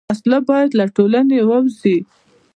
وسله باید له ټولنې ووځي